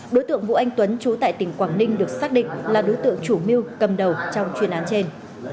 đối tượng vũ anh tuấn chú tại tỉnh quảng ninh được xác định là đối tượng chủ mưu cầm đầu trong chuyên án trên